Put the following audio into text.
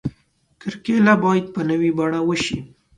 کرکیله باید په نوې بڼه وشي.